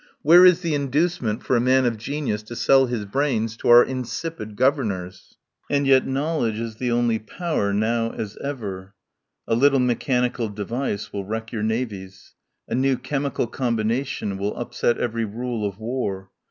Where is the inducement for a man of genius to sell his brains to our insipid governors? "And yet knowledge is the only power — now as ever. A little mechanical device will wreck your navies. A new chemical combina tion will upset every rule of war.